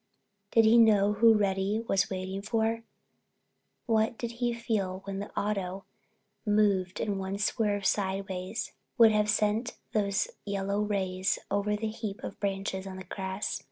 Did he know who Reddy was waiting for? What did he feel when the auto moved and one swerve sideways would have sent those yellow rays over the heap of branches on the grass?